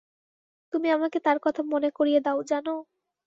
তুমি আমাকে তার কথা মনে করিয়ে দাও, জানো?